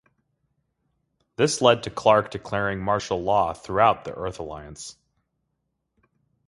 This led to Clark declaring martial law throughout the Earth Alliance.